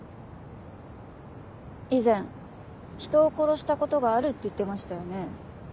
以前「人を殺したことがある」って言ってましたよね？